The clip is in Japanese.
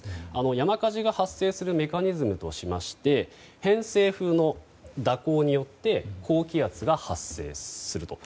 山火事が発生するメカニズムは偏西風の蛇行によって高気圧が発生すると。